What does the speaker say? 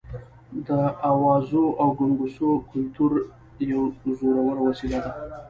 د اوازو او ګونګوسو کلتور یوه زوروره وسله ده.